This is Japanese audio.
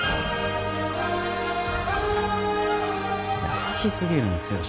優しすぎるんっすよ